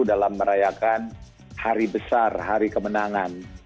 dalam merayakan hari besar hari kemenangan